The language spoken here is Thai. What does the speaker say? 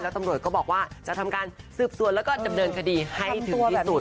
ตำรวจก็บอกว่าจะทำการสืบสวนแล้วก็ดำเนินคดีให้ถึงที่สุด